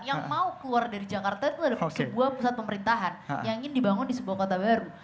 yang mau keluar dari jakarta itu adalah sebuah pusat pemerintahan yang ingin dibangun di sebuah kota baru